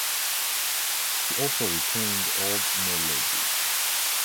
She also retained the old melody.